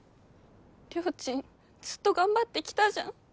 りょーちんずっと頑張ってきたじゃん。